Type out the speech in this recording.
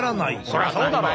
そりゃそうだろ。